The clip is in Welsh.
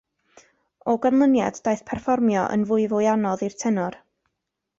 O ganlyniad, daeth perfformio yn fwyfwy anodd i'r tenor.